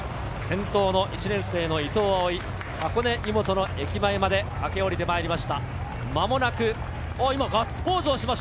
先頭の１年生・伊藤蒼唯、箱根湯本の駅前まで駆け下りてまいりました。